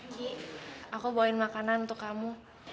ji aku bawain makanan untuk kamu